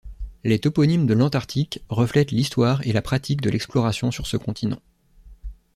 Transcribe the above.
Les toponymes de l’Antarctique reflètent l'histoire et la pratique de l’exploration sur ce continent.